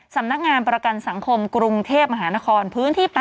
สำนักงานประกันสังคมกรุงเทพมหานครพื้นที่๘